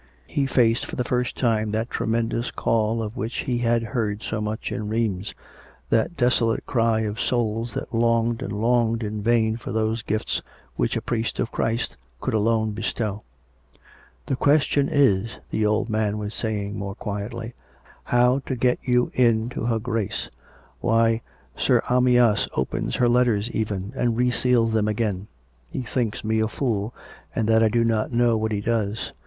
He faced for the first time that tremendous call of which he had heard so much in Rheims — that desolate cry of souls that longed and longed in vain for those gifts which a priest of Christ could alone bestow. ..."... The question is," the old man was saying more quietly, " how to get you in to her Grace. Why, Sir Arayas opens her letters even, and reseals them again ! He thinks me a fool, and that I do not know what he does. .